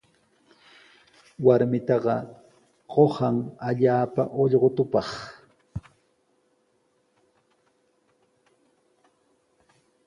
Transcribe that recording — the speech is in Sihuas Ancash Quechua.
Warmitaqa qusan allaapa ullqutupaq.